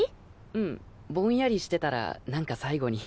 うんぼんやりしてたらなんか最後に。